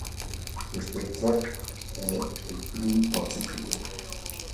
Le spectacle est des plus particuliers.